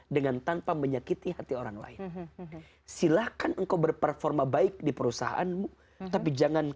dengan tanpa menyakiti hati orang lain silakan engkau berperforma baik di perusahaanmu tapi jangan